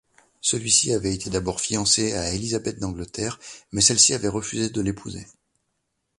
Celui-ci avait été d'abord fiancé à Élisabeth d’Angleterre, mais celle-ci avait refusé de l'épouser.